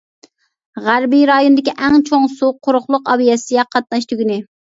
غەربىي رايوندىكى ئەڭ چوڭ سۇ، قۇرۇقلۇق، ئاۋىياتسىيە قاتناش تۈگۈنى.